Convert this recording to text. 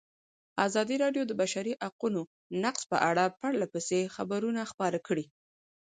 ازادي راډیو د د بشري حقونو نقض په اړه پرله پسې خبرونه خپاره کړي.